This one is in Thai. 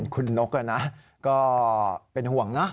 คุณนกนะก็เป็นห่วงนะ